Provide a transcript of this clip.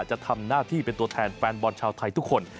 จะทำหน้าที่เป็นตัวแทนแฟนบอลชาวไทยทุกคน